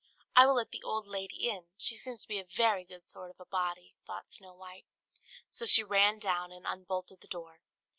"I will let the old lady in; she seems to be a very good sort of a body," thought Snow White; so she ran down, and unbolted the door.